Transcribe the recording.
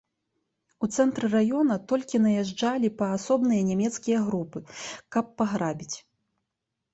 У цэнтр раёна толькі наязджалі паасобныя нямецкія групы, каб паграбіць.